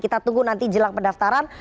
kita tunggu nanti jelang pendaftaran